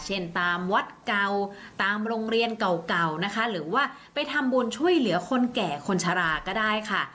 เช่นตามวัดเก่าตามโรงเรียนเก่านะคะหรือว่าไปทำบุญช่วยเหลือคนแก่คนชะลาก็ได้ค่ะ